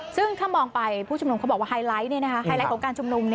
ซึ่งถ้ามองไปผู้ชุมนุมเขาบอกว่าไฮไลท์ไฮไลท์ของการชุมนุม